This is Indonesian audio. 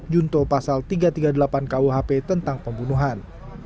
junto pasal tiga ratus tiga puluh delapan kuhp tentang pembunuhan